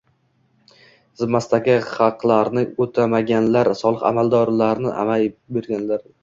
zimmasidagi haqlarni o‘tamaganlar, solih amallarni boy berganlar